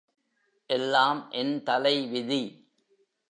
எல்லாம் என் தலைவிதி.